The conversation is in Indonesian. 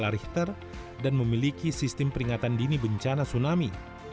yia memiliki sistem peringatan dini bencana tsunami